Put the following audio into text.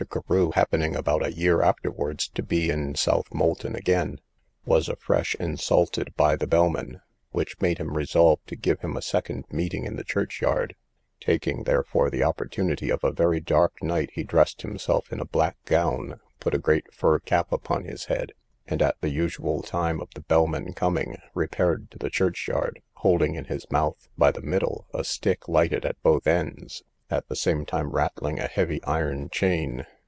Carew happening about a year afterwards to be in Southmolton again, was afresh insulted by the bellman, which made him resolve to give him a second meeting in the church yard; taking therefore the opportunity of a very dark night, he dressed himself in a black gown, put a great fur cap upon his head, and at the usual time of the bellman coming, repaired to the church yard, holding in his mouth, by the middle, a stick lighted at both ends, at the same time rattling a heavy iron chain.